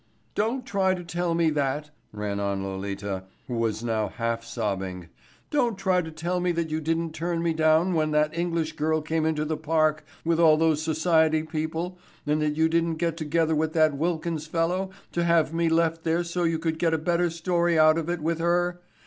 "Don't try to tell me that," ran on Lolita, who was now half sobbing. "Don't try to tell me that you didn't turn me down when that English girl came into the park with all those society people and that you didn't get together with that Wilkins fellow to have me left there so you could get a better story out of it with her.